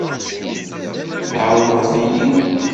Tɛawneḍ-iyi.